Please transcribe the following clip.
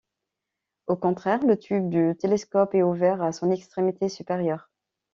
Au contraire, le tube du télescope est ouvert à son extrémité supérieure.